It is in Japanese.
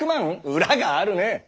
裏があるねッ！